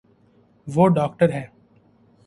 وہ داکٹر ہے